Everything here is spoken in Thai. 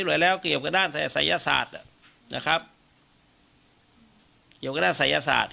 หลายแล้วเกี่ยวกับด้านศัยศาสตร์นะครับเกี่ยวกับด้านศัยศาสตร์